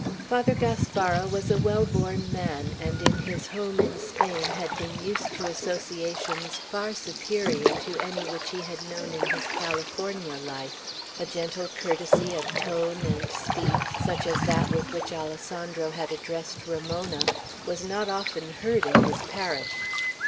Father Gaspara was a well born man, and in his home in Spain had been used to associations far superior to any which he had known in his Californian life, A gentle courtesy of tone and speech, such as that with which Alessandro had addressed Ramona, was not often heard in his parish.